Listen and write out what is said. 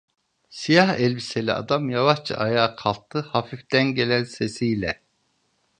Siyah elbiseli adam yavaşça ayağa kalktı, hafiften gelen sesiyle: